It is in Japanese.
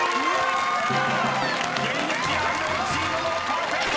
［現役アイドルチームもパーフェクト！］